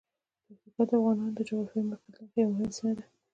پکتیکا د افغانانو د جغرافیايی موقعیت له مخې یوه مهمه سیمه ده.